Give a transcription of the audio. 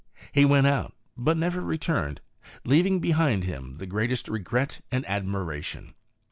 He went out, but never returned, leaving behind him the greatest regret and admiration.